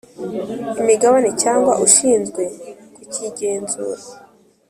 imigabane cyangwa ushinzwe kukigenzura